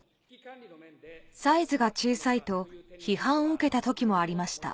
サイズが小さいと批判を受けたときもありました。